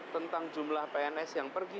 tentang jumlah pns yang pergi